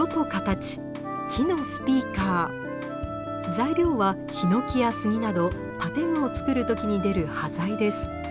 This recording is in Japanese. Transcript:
材料はヒノキやスギなど建具をつくる時に出る端材です。